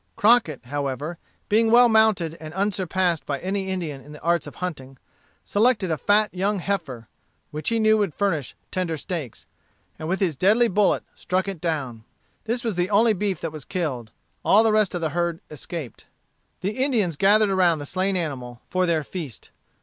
Crockett, however, being well mounted and unsurpassed by any Indian in the arts of hunting, selected a fat young heifer, which he knew would furnish tender steaks, and with his deadly bullet struck it down. This was the only beef that was killed. All the rest of the herd escaped. The Indians gathered around the slain animal for their feast.